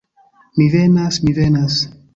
Mi venas, mi venas!